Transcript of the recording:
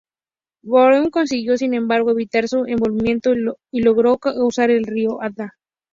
Beaulieu consiguió, sin embargo, evitar su envolvimiento y logró cruzar el río Adda.